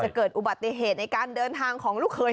เกิดอุบัติเหตุในการเดินทางของลูกเคย